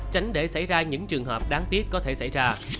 tránh để xảy ra những trường hợp đáng tiếc có thể xảy ra